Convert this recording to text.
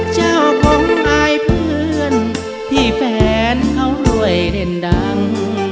เจ้าของอายเพื่อนที่แฟนเขารวยเล่นดัง